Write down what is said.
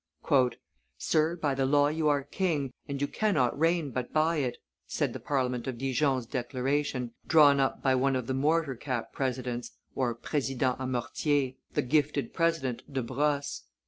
"Sir, by the law you are king, and you cannot reign but by it," said the Parliament of Dijon's declaration, drawn up by one of the mortarcap presidents (presidents a mortier), the gifted president De Brosses.